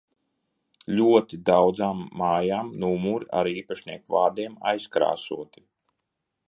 Ļoti daudzām mājām numuri ar īpašnieku vārdiem aizkrāsoti.